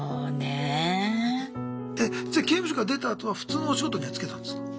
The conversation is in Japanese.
えじゃあ刑務所から出たあとは普通のお仕事には就けたんですか？